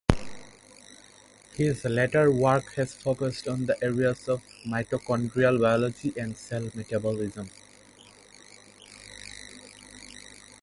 His later work has focused on the areas of mitochondrial biology and cell metabolism.